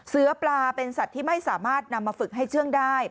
เสื้อปลาเป็นสัตว์ที่ไม่สามารถนำมาฝึกให้เชื่องได้